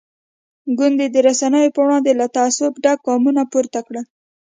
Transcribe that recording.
ګوند د رسنیو پر وړاندې له تعصب ډک ګامونه پورته کړل.